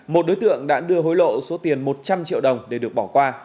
một đối tượng đã đưa hối lộ số tiền một trăm linh triệu đồng để được bỏ qua